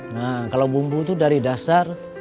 nah kalau bumbu itu dari dasar